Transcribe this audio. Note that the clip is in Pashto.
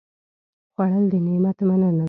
خوړل د نعمت مننه ده